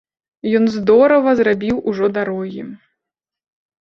Ён здорава зрабіў ужо дарогі.